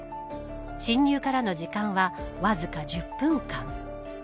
侵入からの時間はわずか１０分間。